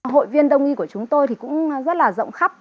hội viên đông y của chúng tôi thì cũng rất là rộng khắp